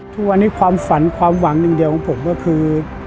ทุกวันนี้ความฝันความหวังอย่างเดียวของผมก็คือ